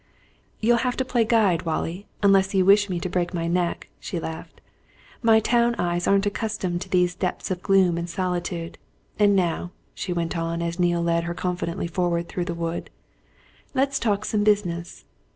"You'll have to play guide, Wallie, unless you wish me to break my neck," she laughed. "My town eyes aren't accustomed to these depths of gloom and solitude. And now," she went on, as Neale led her confidently forward through the wood, "let's talk some business.